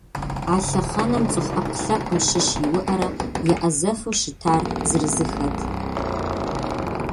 А лъэхъэнэм цӏыху ӏэпкълъэпкъым щыщ иуӏэурэ еӏэзэфу щытар зырызыххэт.